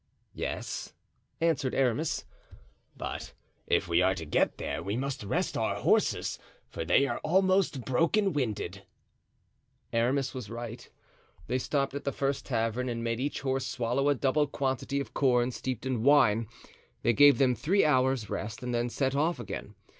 "Yes," answered Aramis, "but if we are to get there we must rest our horses, for they are almost broken winded." Aramis was right; they stopped at the first tavern and made each horse swallow a double quantity of corn steeped in wine; they gave them three hours' rest and then set off again.